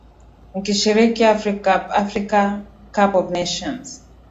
nikishiriki africup afrika cup of nations